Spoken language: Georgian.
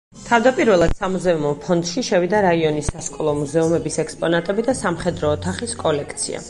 თავდაპირველად სამუზეუმო ფონდში შევიდა რაიონის სასკოლო მუზეუმების ექსპონატები და სამხედრო ოთახის კოლექცია.